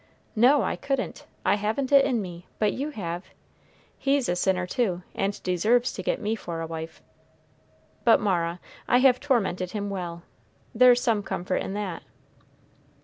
No, I couldn't; I haven't it in me; but you have. He's a sinner, too, and deserves to get me for a wife. But, Mara, I have tormented him well there's some comfort in that."